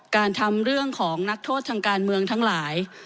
การทำเรื่องของนักโทษทางการเมืองทั้งหลาย